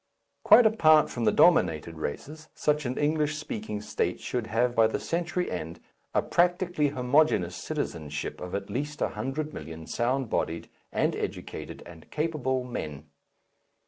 Quite apart from the dominated races, such an English speaking state should have by the century end a practically homogeneous citizenship of at least a hundred million sound bodied and educated and capable men.